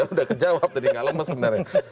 udah kejawab jadi gak lemes sebenarnya